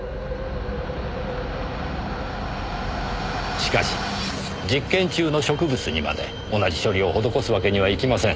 しかし実験中の植物にまで同じ処理を施すわけにはいきません。